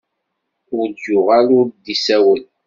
Ur d-yuɣal ur d-isawel.